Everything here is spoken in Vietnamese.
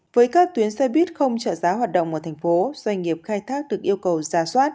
với các tuyến xe buýt không trợ giá hoạt động ở thành phố doanh nghiệp khai thác được yêu cầu giả soát